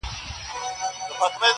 پای لا هم خلاص پاته کيږي,